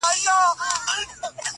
ن و، قاف و، يې و، بې ښايسته تورې_